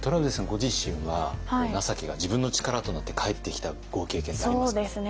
ご自身は情けが自分の力となって返ってきたご経験ってありますか？